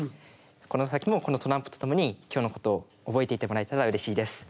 この先もこのトランプと共に今日のことを覚えていてもらえたらうれしいです。